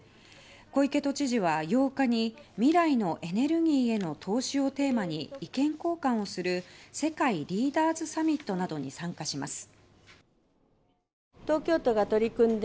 小池都知事は８日に未来のエネルギーへの投資をテーマに意見交換をする世界リーダーズサミットなどに参加します。